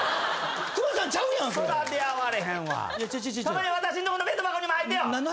たまには私んとこの弁当箱にも入ってよ！